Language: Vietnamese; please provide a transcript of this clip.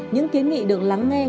những kiến nghị được lắng nghe